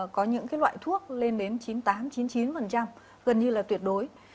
có những loại thuốc lên đến chín mươi tám chín mươi chín gần như là tuyệt đối